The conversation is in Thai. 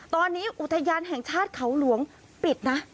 ตอนนี้อุทยานแห่งชาติเขาหลวงปิดนะ